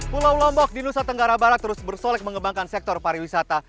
pulau lombok di nusa tenggara barat terus bersolek mengembangkan sektor pariwisata